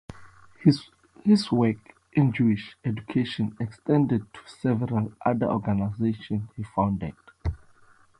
His work in Jewish education extended to several other organisations he founded.